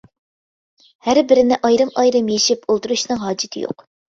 ھەر بىرىنى ئايرىم ئايرىم يېشىپ ئولتۇرۇشنىڭ ھاجىتى يوق.